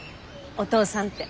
お父さんって。